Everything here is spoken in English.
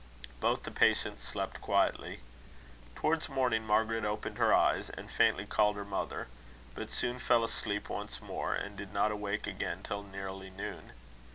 Both the patients slept quietly. Towards morning Margaret opened her eyes, and faintly called her mother; but soon fell asleep once more, and did not awake again till nearly noon.